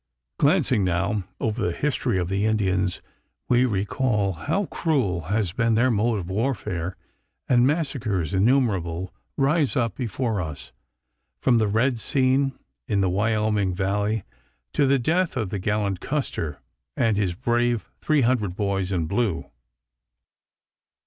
Glancing now over the history of the Indians, we recall how cruel has been their mode of warfare, and massacres innumerable rise up before us, from the red scene in the Wyoming Valley to the death of the gallant Custer and his brave 300 boys in blue.